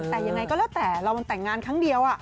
แต่ยังไงก็แล้วแต่เรามันแต่งงานครั้งเดียว